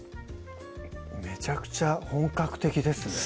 めちゃくちゃ本格的ですね